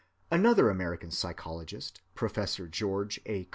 Another American psychologist, Prof. George A.